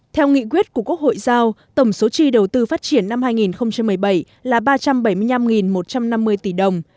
theo nghị quyết của quốc hội giao tổng số chi đầu tư phát triển năm hai nghìn một mươi bảy là ba trăm bảy mươi năm một trăm năm mươi tỷ đồng